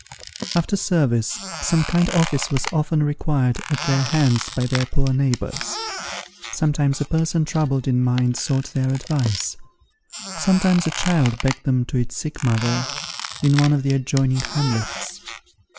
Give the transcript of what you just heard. After service, some kind office was often required at their hands by their poor neighbours. Sometimes a person troubled in mind sought their advice; sometimes a child begged them to its sick mother, in one of the adjoining hamlets.